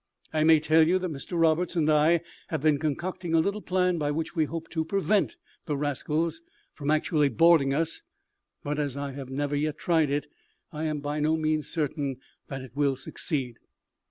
I may tell you that Mr Roberts and I have been concocting a little plan by which we hope to prevent the rascals from actually boarding us; but, as I have never yet tried it, I am by no means certain that it will succeed.